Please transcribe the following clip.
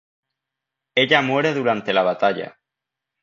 Ella muere durante la batalla.